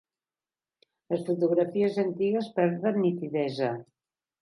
Les fotografies antigues perden nitidesa.